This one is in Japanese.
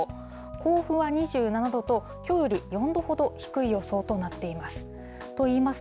甲府は２７度と、きょうより４度ほど低い予想となっています。